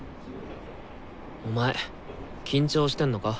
お前緊張してんのか？